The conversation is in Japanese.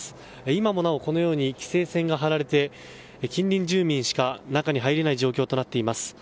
今もなお規制線が張られて近隣住民しか中に入れない状況となっています。